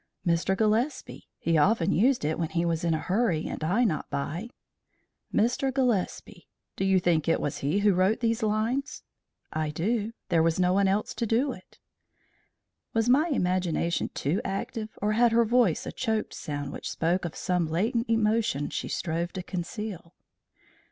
"Mr. Gillespie. He often used it when he was in a hurry and I not by." "Mr. Gillespie? Do you think it was he who wrote these lines?" "I do. There was no one else to do it." Was my imagination too active, or had her voice a choked sound which spoke of some latent emotion she strove to conceal?